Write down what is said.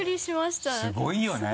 すごいよね。